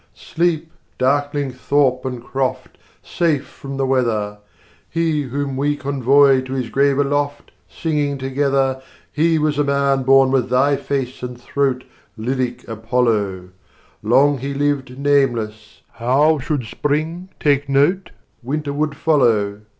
sleep, darkling thorpe and croft, Safe from the weather! 30 He, whom we convoy to his grave aloft, Singing together, He was a man born with thy face and throat, Lyric Apollo! Long he lived nameless: how should spring take note Winter would follow?